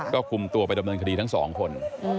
ก็คุมตัวไปดำเนินคดีทั้งสองคน